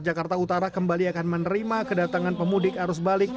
jakarta utara kembali akan menerima kedatangan pemudik arus balik